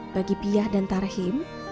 bagi piyah dan tarhim